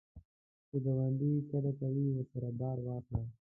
که ګاونډی کډه کوي، ورسره بار واخله